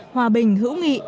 hòa bình hữu nghị